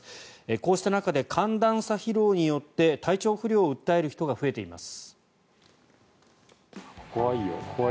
こうした中で寒暖差疲労によって体調不良を訴える人が増えています。